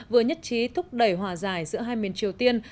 vừa nhất trí thúc đẩy hòa giải giữa hai miền triều tiên